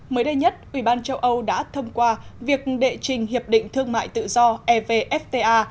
mới đây nhất ubnd đã thông qua việc đệ trình hiệp định thương mại tự do evfta